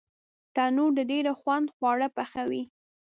تنور د ډېر خوند خواړه پخوي